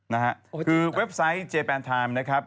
นะครับคือเว็บไซต์เจแปนทายมนะครับ